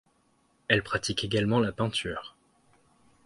Elle pratique également la peinture.